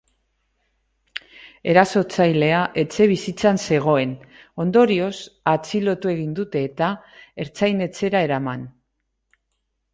Erasotzailea etxebizitzan zegoen, ondorioz, atxilotu egin dute, eta ertzain-etxera eraman.